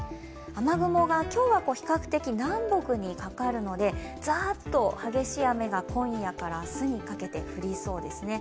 雨雲が今日は比較的南北にかかるので、ザーッと激しい雨が今夜から明日にかけて降りそうですね。